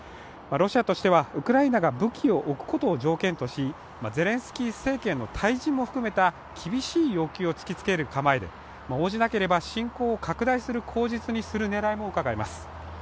ロシアとしてはウクライナが武器を置くことを条件とし、ゼレンスキー政権の退陣も含めた厳しい要求を突きつける構えで応じなければ侵攻を拡大する口実にする狙いもうかがえます。